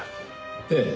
ええ。